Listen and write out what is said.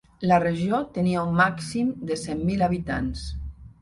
La regió tenia un màxim de cent mil habitants.